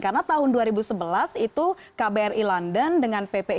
karena tahun dua ribu sebelas itu kbri london dengan ppi nya sendiri